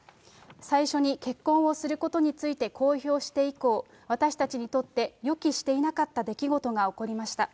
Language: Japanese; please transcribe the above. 最初に結婚をすることについて公表して以降、私たちにとって予期していなかった出来事が起こりました。